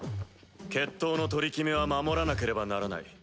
決闘の取り決めは守らなければならない。